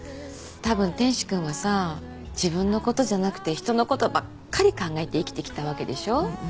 たぶん天使君はさ自分のことじゃなくて人のことばっかり考えて生きてきたわけでしょ？